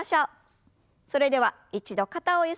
それでは一度肩をゆすります。